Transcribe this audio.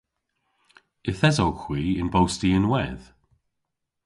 Yth esowgh hwi y'n bosti ynwedh.